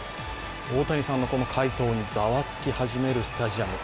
大谷さんの快投にざわつき始めるスタジアム。